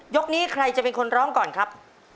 กนี้ใครจะเป็นคนร้องก่อนครับ